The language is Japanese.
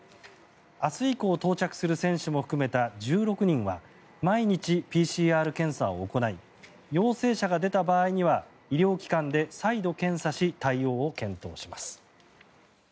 明日以降到着する選手も含めた１６人は毎日ＰＣＲ検査を行い陽性者が出た場合には医療機関で再度検査し対応を検討します。